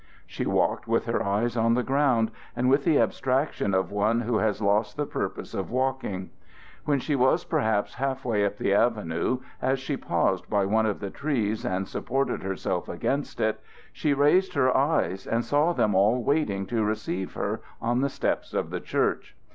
She walked with her eyes on the ground and with the abstraction of one who has lost the purpose of walking. When she was perhaps half way up the avenue, as she paused by one of the trees and supported herself against it, she raised her eyes and saw them all waiting to receive her on the steps of the church.